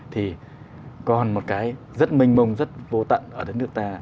thì còn một cái rất minh mông rất vô tận ở đất nước ta